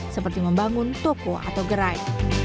seperti membangun toko atau gerai